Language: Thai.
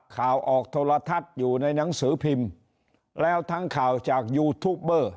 ข่าวออกโทรทัศน์อยู่ในหนังสือพิมพ์แล้วทั้งข่าวจากยูทูปเบอร์